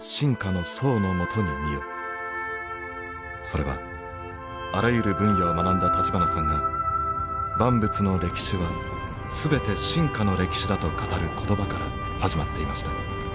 それはあらゆる分野を学んだ立花さんが万物の歴史は全て進化の歴史だと語る言葉から始まっていました。